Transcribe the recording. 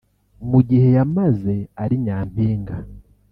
Mu gihe yamaze ari Nyampinga